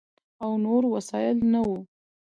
او نور وسایل نه ؤ،